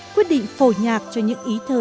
quyết định phổ nhạc cho những ý thơ